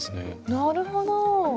なるほど！